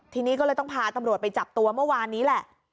ทีนี้ก็เลยต้องพาตำรวจไปจับตัวเมื่อวานนี้แหละ